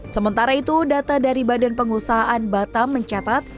sementara itu data dari badan pengusahaan batam mencatat